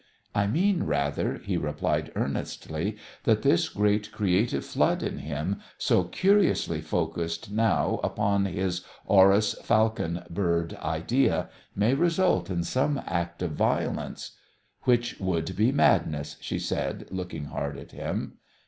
"I mean, rather," he replied earnestly, "that this great creative flood in him, so curiously focused now upon his Horus falcon bird idea, may result in some act of violence " "Which would be madness," she said, looking hard at him.